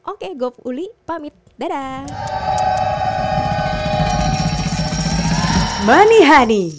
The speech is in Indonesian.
oke gue uli pamit dadah